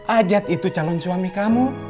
ajat itu calon suami kamu